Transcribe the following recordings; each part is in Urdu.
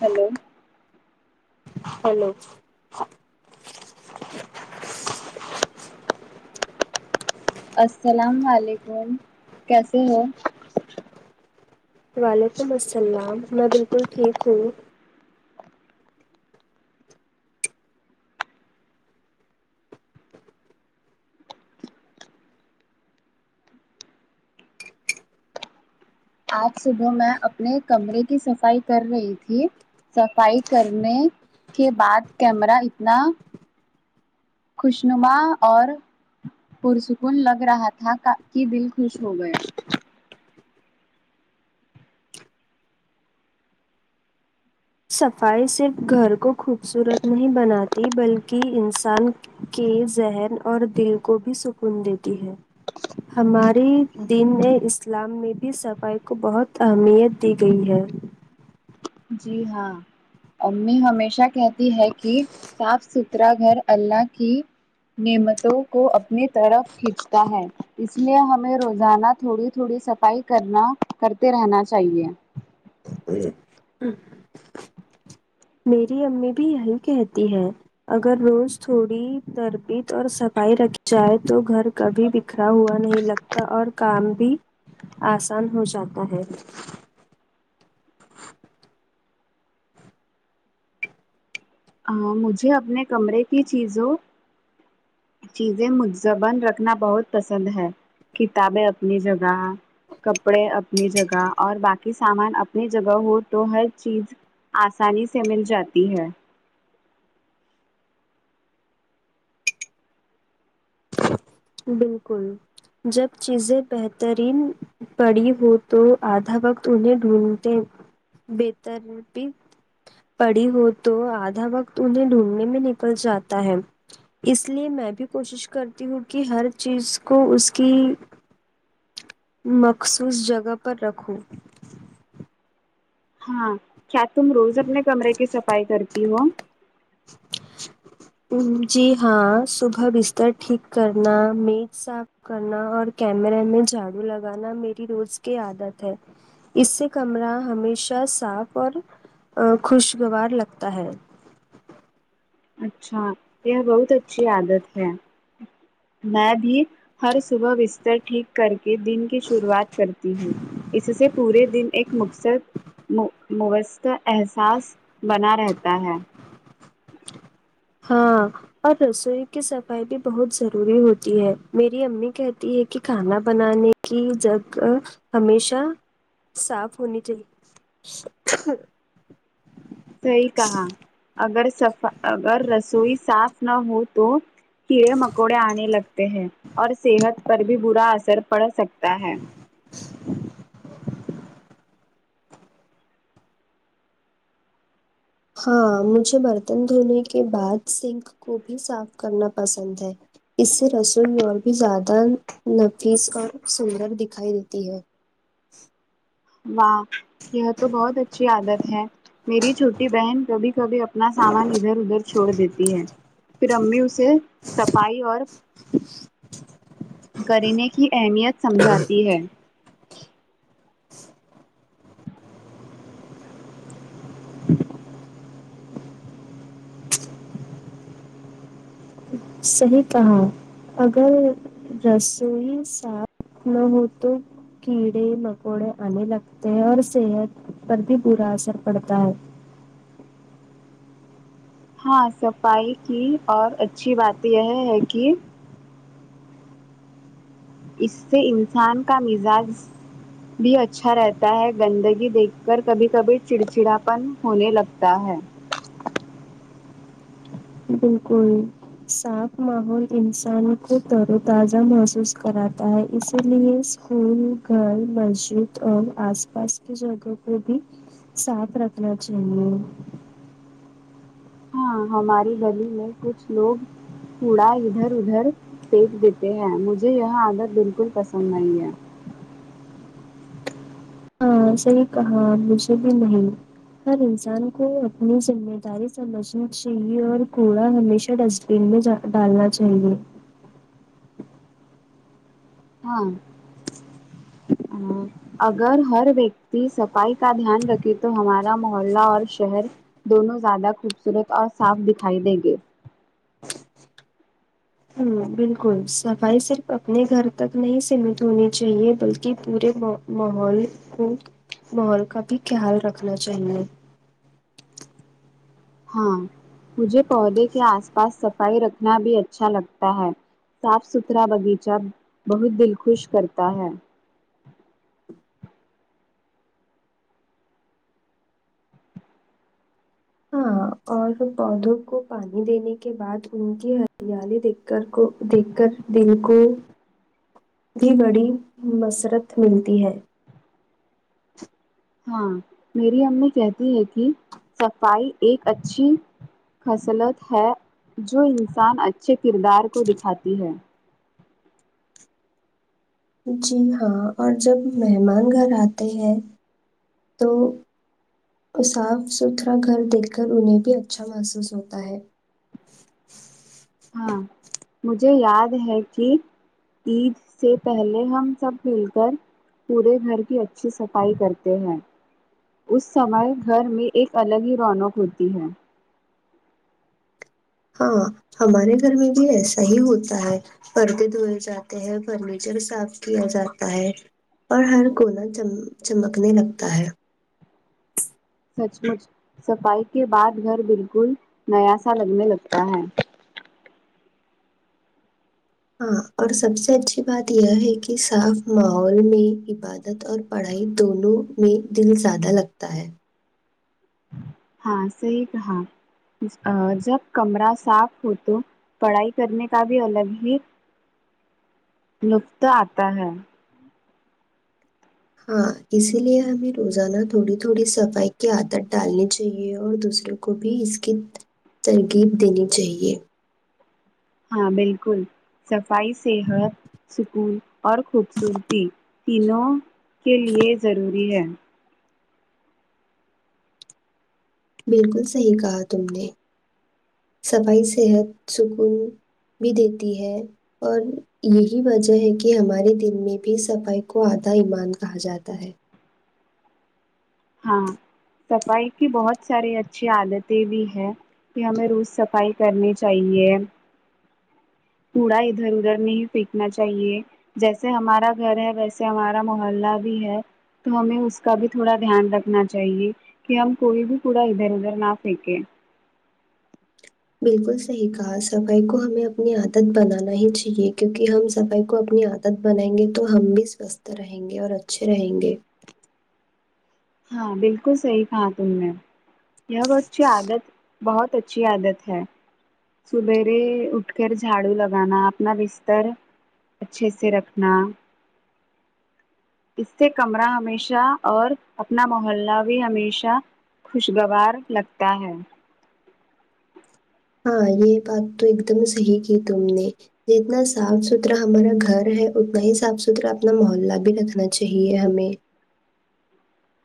ہیلو ہیلو السلام وعلیکم کیسے ہو وعلیکم السلام میں بالکل ٹھیک ہوں آج صبح میں اپنے کمرے کی صفائی کر رہی تھی صفائی کرنے کے بعد کیمرہ اتنا خوشنما اور پرسکون لگ رہا تھا کا کہ دل خوش ہو گیا صفائی صرف گھر کو خوبصورت نہیں بناتی بلکہ انسان کے ذہن اور دل کو بھی سکون دیتی ہے ہماری دن اسلام میں بھی صفائی کو بہت اہمیت دی گئی ہے جی ہاں امی ہمیشہ کہتی ہے کہ صاف سترہ گھر اللہ کی نعمتوں کو اپنی طرف کھینچتا ہے اس لیے ہمیں روزانہ تھوڑی تھوڑی سب ائی کرنا کرتے رہنا چاہیے جی ہوں میری امی بھی یہی کہتی ہیں اگر روز تھوڑی تربیت اور صفائی رکھی جائے تو گھر کبھی بکھرا ہوا نہیں لگتا اور کام بھی آسان ہو جاتا ہے ا مجھے اپنے کمرے کی چیزوں چیزیں مدزبن رکھنا بہت پسند ہے کتابیں اپنی جگہ کپڑے اپنی جگہ اور باقی سامان اپنی جگہ ہو تو ہر چیز آسانی سے مل جاتی ہے بالکل جب چیزیں بہترین پڑی ہو تو آدھا وقت انہیں ڈھونڈتے بےترب بھی پڑی ہو تو آدھا وقت انہیں ڈھونڈنے میں نکل جاتا ہے اس لیے میں بھی کوشش کرتی ہوں کہ ہر چیز کو اس کی مخصوص جگہ پر رکھو ہاں کیا تم روز اپنے کمرے کی صفائی کرتی ہو جی ہاں صبح بستر ٹھیک کرنا میز صاف کرنا اور کیمرے میں جھاڑو لگانا میری روز کی عادت ہے اس سے کمرہ ہمیشہ صاف اور خوشگوار لگتا ہے اچھا یہ بہت اچھی عادت ہے میں بھی ہر صبح بستر ٹھیک کر کے دن کی شروعات کرتی ہوں اس سے پورے دن ایک مقصد مؤ موصط احساس بنا رہتا ہے ہاں اور رسوئی کی صفائی بھی بہت ضروری ہوتی ہے میری امی کہتی ہے کہ کھانا بنانے کی جگہ ہمیشہ صاف ہونی چاہیے [inaudible] صحیح کہا اگرف صفا اگر رسوئی صاف نہ ہو تو کیڑے مکوڑے آنے لگتے ہیں اور صحت پر بھی برا اثر پڑ سکتا ہے [inaudible] ہاں مجھے برتن دھونے کے بعد سنک کو بھی صاف کرنا پسند ہے اس سے رسوئی اور بھی زیادہ نفیس اور سندر دکھائی دیتی ہے واہ یہ تو بہت اچھی عادت ہے میری چھوٹی بہن کبھی کبھی اپنا سامان ادھر ادھر چھوڑ دیتی ہے پھر امی اسے صفائی اور کرنے کی اہمیت سمجھاتی ہے صحیح کہا اگر رسوئی صاف نہ ہو تو کیڑے مکوڑے آنے لگتے ہیں اور صحت پر بھی برا اثر پڑتا ہے ہاں صفائی کی اور اچھی بات یہ ہے کہ اس سے انسان کا مزاج بھی اچھا رہتا ہے گندگی دیکھ کر کبھی کبھی چڑچڑاپن ہونے لگتا ہے بالکل صاف ماحول انسان کو تر و تازہ محسوس کراتا ہے اسی لیے اسکول گھر مسجد اور آس پاس کی جگہ کو بھی صاف رکھنا چاہیے ہاں ہماری گلی میں کچھ لوگ کوڑا ادھر ادھر فیک دیتے ہیں مجھے یہ عادت بالکل پسند نہیں ہے ہاں صحیح کہا مجھے بھی نہیں ہر انسان کو اپنی ذمہ داری سمجھنی چاہیے اور کوڑا ہمیشہ ڈسٹ بن میں ج ڈالنا چاہیے ہاں ہاں اگر ہر ویکتی صفائی کا دھیان رکھے تو ہمارا محلہ اور شہر دونوں زیادہ خوبصورت اور صاف دکھائی دیں گے ہوں بالکل صفائی صرف اپنے گھر تک نہیں سیمت ہونی چاہیے بلکہ پورے مو ماحول کو ماحول کا بھی خیال رکھنا چاہیے ہاں مجھے پودے کے آس پاس صفائی رکھنا بھی اچھا لگتا ہے صاف ستھرا باغیچہ بہت دل خوش کرتا ہے ہاں اور پودوں کو پانی دینے کے بعد ان کی ہریالی دیکھ کر کو دیکھ کر دل کو بھی بڑی مسرت ملتی ہے ہاں میری امی کہتی ہے کہ صفائی ایک اچھی خصلت ہے جو انسان اچھے کردار کو دکھاتی ہے جی ہاں اور جب مہمان گھر آتے ہیں تو اور صاف ستھرا گھر دیکھ کر انہیں بھی اچھا محسوس ہوتا ہے ہاں مجھے یاد ہے کہ عید سے پہلے ہم سب مل کر پورے گھر کی اچھی صفائی کرتے ہیں اس سمے گھر میں ایک الگ ہی رونق ہوتی ہے ہاں ہمارے گھر میں بھی ایسا ہی ہوتا ہے پردے دھوئے جاتے ہیں فرنیچر صاف کیا جاتا ہے اور ہر کونا چم چمکنے لگتا ہے سچ مچ صفائی کے بعد گھر بالکل نیا سا لگنے لگتا ہے ہاں اور سب سے اچھی بات یہ ہے کہ صاف ماحول میں عباد دت اور پڑھائی دونوں میں دل زیادہ لگتا ہے ہاں صحیح کہااں جب کمرہ صاف ہو تو پڑھائی کرنے کا بھی الگ ہی لطط آتا ہے ہاں اسی لیے ہمیں روزانہ تھوڑی تھوڑی صفائی کی عادت ڈالنی چاہیے اور دوسروں کو بھی اس کی تلقین دینی چاہیے ہاں بالکل صفائی صحت سکون اور خوبصورتی تینوں کے لیے ضروری ہے بالکل صحیح کہا تم نے صفائی صحت سکون بھی دیتی ہے اور یہی وجہ ہے کہ ہمارے دین میں بھی صفائی کو آدھا ایمان کہا جاتا ہے ہاں صفائی کی بہت ساری اچھی عادتیں بھی ہے کہ ہمیں روز صفائی کرنی چاہیے کوڑا ادھر ادھر نہیں فینکنا چاہیے جیسے ہمارا گھر ہے ویسے ہمارا محلہ بھی ہے تو ہمیں اس کا بھی تھوڑا دھیان رکھنا چاہیے کہ ہم کوئی بھی کوڑا ادھر ادھر نہ پھینکے بالکل صحیح کہا صفائی کو ہمیں اپنی عادت بنانا ہی چاہیے کیونکہ ہم صفائی کو اپنی عاد دت بنائیں گے تو ہم بھی سوستھ رہیں گے اور اچھے رہیں گے ہاں بالکل صحیح کہا تم نے یہ بت اچھی عادت بہت اچھی عادت ہے سبیرے اٹھ کر جھاڑو لگانا اپنا بستر اچھے سے رکھنا اس سے کمرہ ہمیشہ اور اپنا موحلہ بھی ہمیشہ خوشگوار لگتا ہے ہاں یہ بات تو ایک دم صحیح کی تم نے جتنا صاف ستھرا ہمارا گھر ہے اتنا ہی صاف ستھرا اپنا محلہ بھی رکھنا چاہیے ہمیں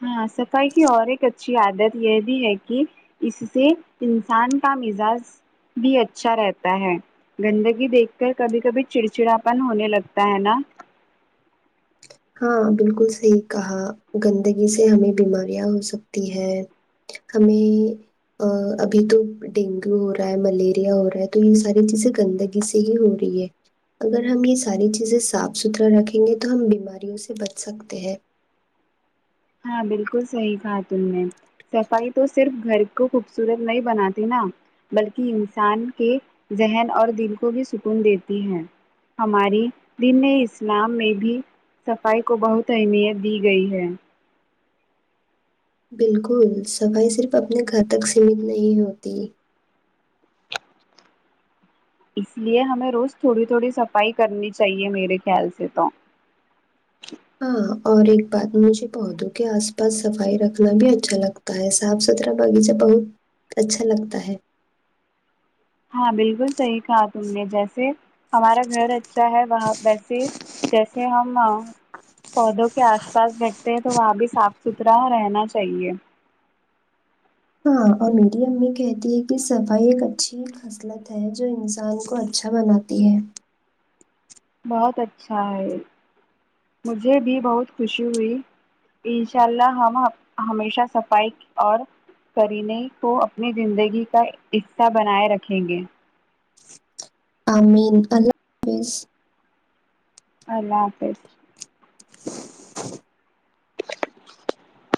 ہاں صفائی کی اور ایک اچھی عادت یہ بھی ہے کہ اس سے انسان کا مزاج بھی اچھا رہتا ہے گندگی دیکھ کر کبھی کبھی چڑچڑاپن ہونے لگتا ہے نا ہاں بالکل صحیح کہا گندگی سے ہمیں بیماریاں ہو سکتی ہے ہمیں ابھی تو ڈینگو ہو رہا ہے ملیریا ہو رہا ہے تو یہ ساری چیزیں گندگی سے ہی ہو رہی ہے اگر ہم یہ ساری چیزیں صاف ستھرا رکھیں گے تو ہم بیماریوں سے بچ سکتے ہیں ہاں بالکل صحیح کہاتم میں صفائی تو صرف گھر کو خوبصورت نہیں بناتی نا بلکہ انسان کے ذہن اور دل کو بھی سکون دیتی ہے ہماری دین اسلام میں بھی صفائی کو بہت اہمیت دی گئی ہے بالکل صفائی صرف اپنے گھر تک سیمت نہیں ہوتی اس لیے ہمیں روز تھوڑی تھوڑی صفائی کرنی چاہیے میرے خیال سے تو ہاں اور ایک بات مجھے پودوں کے آس پاس صفائی رکھنا بھی اچھا لگتا تا ہے صاف ستھرا باغیچہ بہت اچھا لگتا ہے ہاں بالکل صحیح کہا تم نے جیسے ہمارا گھر اچھا ہے وہ ویسے جیسے ہم پودوں کے آس پاس بٹتے ہیں تو وہاں بھی صاف ستھرا رہنا چاہیے ہاں اور میری امی کہتی ہے کہ صفائی ایک اچھی محصلت ہے جو انسان کو اچھا بناتی ہے بہت اچھا ہے مجھے بھی بہت خوشی ہوئی انشاء اللہ ہم ہمیشہ صفائی اور قرینے کو اپنی زندگی کا حصہ بنائے رکھیں گے آ مین اللہ حافظ اللہ حافظ [inaudible] [inaudible]